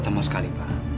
sama sekali pak